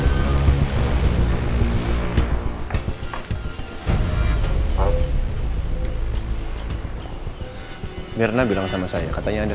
ternyata rasanya kada atur